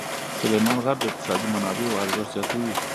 سلیمان غر د اقتصادي منابعو ارزښت زیاتوي.